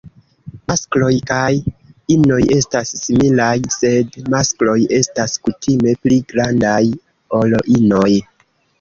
Maskloj kaj inoj estas similaj sed maskloj estas kutime pli grandaj ol inoj.